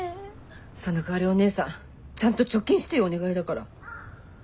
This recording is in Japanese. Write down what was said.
そのかわりお姉さんちゃんと貯金してよお願いだから。